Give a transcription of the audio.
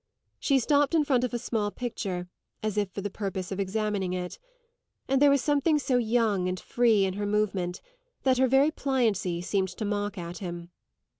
She stopped in front of a small picture as if for the purpose of examining it; and there was something so young and free in her movement that her very pliancy seemed to mock at him.